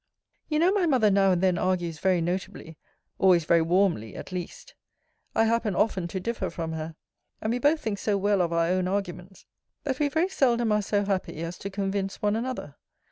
You know my mother now and then argues very notably; always very warmly at least. I happen often to differ from her; and we both think so well of our own arguments, that we very seldom are so happy as to convince one another.